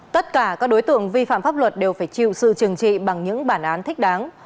tất cả các đối tượng vi phạm pháp luật đều phải chịu sự trừng trị bằng những bản án thích đáng